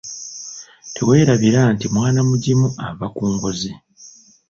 Teweerabira nti mwana mugimu ava ku ngozi.